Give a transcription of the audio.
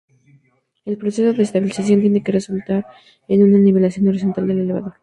El proceso de estabilización tiene que resultar en una nivelación horizontal del elevador.